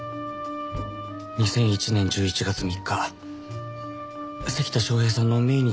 ２００１年１１月３日関田昌平さんの命日ですよね？